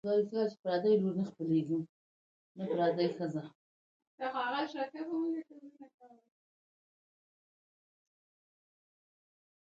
د مرغانو ږغ د سهار ښکلا ده.